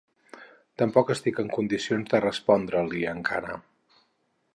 Tampoc estic en condicions de respondre-li, encara.